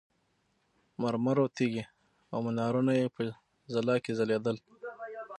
مرمرو تیږې او منارونه یې په ځلا کې ځلېدل.